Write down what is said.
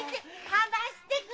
離してくれ！